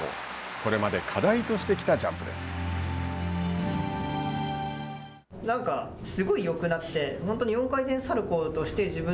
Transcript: これまで課題としてきたジャンプです。